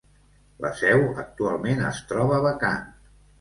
La seu actualment es troba vacant.